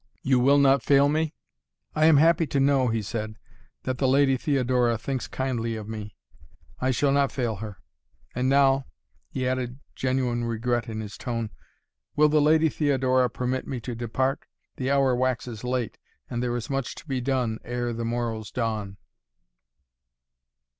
You will not fail me?" "I am happy to know," he said, "that the Lady Theodora thinks kindly of me. I shall not fail her. And now" he added, genuine regret in his tone "will the Lady Theodora permit me to depart? The hour waxes late and there is much to be done ere the morrow's dawn."